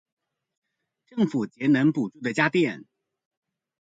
政府節能補助的家電